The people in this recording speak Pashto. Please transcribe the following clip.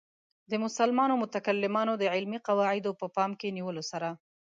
د مسلمانو متکلمانو د علمي قواعدو په پام کې نیولو سره.